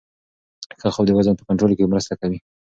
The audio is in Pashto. ښه خوب د وزن په کنټرول کې مرسته کوي.